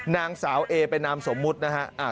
นางสาวเอเป็นนามสมมุตินะฮะ